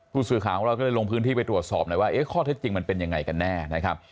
ผู้สื่อข่าวของเราก็เลยลงพื้นที่ไปตรวจสอบหน่อยว่าข้อเท็จจริงมันเป็นยังไงกันแน่นะครับ